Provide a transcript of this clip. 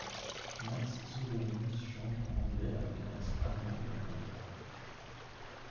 Mats Söderlund chante en anglais avec un accent allemand et une voix grave.